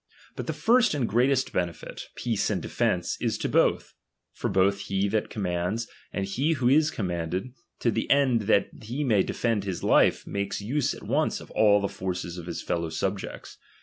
But the first and greatest benefit, peace and defence, is to both ; for both he that commands, and he who is commanded, to the end that he may defend his life makes use at once of all the forces of his fellow subjects.